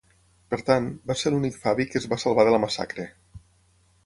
Per tant, va ser l'únic Fabi que es va salvar de la massacre.